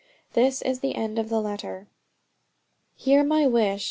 This is the end of the letter: "Hear my wish.